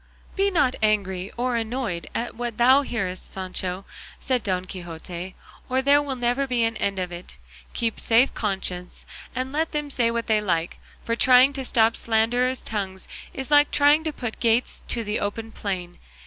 "Be not angry or annoyed at what thou hearest, Sancho," said Don Quixote, "or there will never be an end of it; keep a safe conscience and let them say what they like; for trying to stop slanderers' tongues is like trying to put gates to the open plain.